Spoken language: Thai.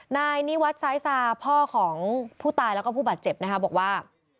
นายนิวัตรซ้ายซาพ่อของผู้ตายแล้วก็ผู้บาดเจ็บนะคะบอกว่า